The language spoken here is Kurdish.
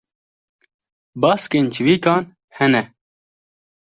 Baskên çivîkan hene.